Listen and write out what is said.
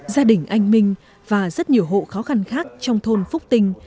gia đình anh minh và rất nhiều hộ khó khăn khác trong thôn phúc tinh